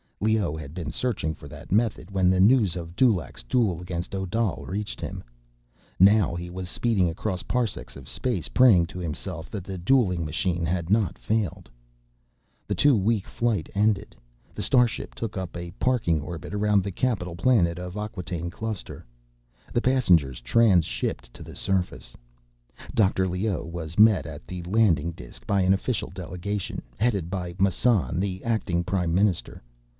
Leoh had been searching for that method when the news of Dulaq's duel against Odal reached him. Now he was speeding across parsecs of space, praying to himself that the dueling machine had not failed. The two week flight ended. The starship took up a parking orbit around the capital planet of the Acquataine Cluster. The passengers transhipped to the surface. Dr. Leoh was met at the landing disk by an official delegation, headed by Massan, the acting prime minister.